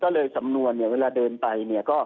ก็เลยสำนวนเวลาเดินไป